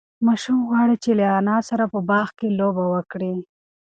ماشوم غواړي چې له انا سره په باغ کې لوبه وکړي.